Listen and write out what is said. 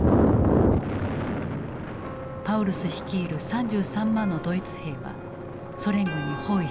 パウルス率いる３３万のドイツ兵はソ連軍に包囲された。